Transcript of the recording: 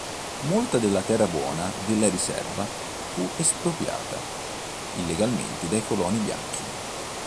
Molta della terra buona della riserva fu espropriata illegalmente dai coloni bianchi.